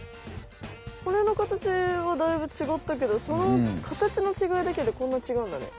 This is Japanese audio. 骨の形はだいぶ違ったけどその形の違いだけでこんな違うんだね。